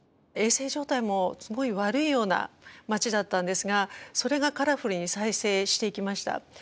衛生状態もすごい悪いような街だったんですがそれがカラフルに再生していきました。